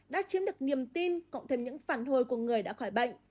đã chiếm được niềm tin cộng thêm những phản hồi của người đã khỏi bệnh